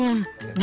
何？